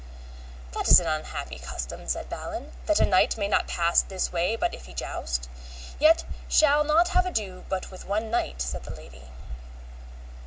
That is an unhappy custom, said Balin, that a knight may not pass this way but if he joust. Ye shall not have ado but with one knight, said the lady.